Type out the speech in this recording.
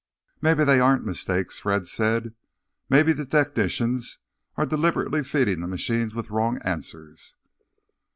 "Maybe they aren't mistakes," Fred said. "Maybe the technicians are deliberately feeding the machine with wrong answers."